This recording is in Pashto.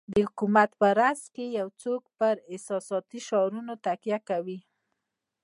د حکومت په راس کې یو څوک پر احساساتي شعارونو تکیه کوي.